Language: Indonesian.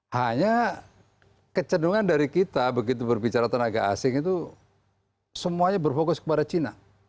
hanya kecenderungan dari kita begitu berbicara tenaga asing itu semuanya berfokus kepada cina